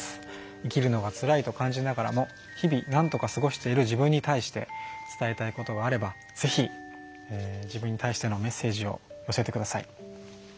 生きるのがつらいと感じながらも日々、なんとか過ごしている自分に対して伝えたいことがあればぜひ自分に対してもメッセージを教えてください。